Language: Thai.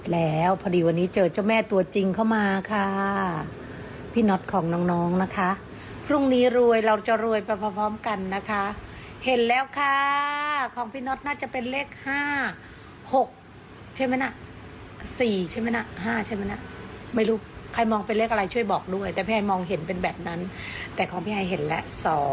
แล้ววันนี้ด้วยไปดูเลยดีกว่า